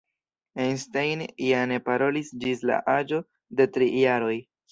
Einstein ja ne parolis ĝis la aĝo de tri jaroj.